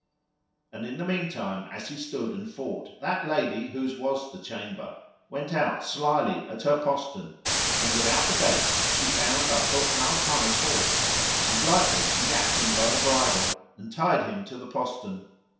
And in the meantime as he stood and fought, that lady whose was the chamber went out slily at her postern, and without the gates she found La Cote Male Taile's horse, and lightly she gat him by the bridle, and tied him to the postern.